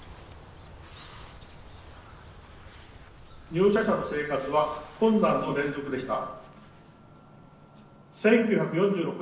「入所者の生活は困難の連続でした」。